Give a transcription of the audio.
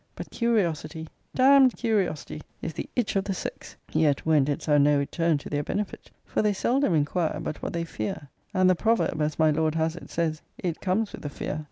But curiosity, d d curiosity, is the itch of the sex yet when didst thou know it turned to their benefit? For they seldom inquire, but what they fear and the proverb, as my Lord has it, says, It comes with a fear.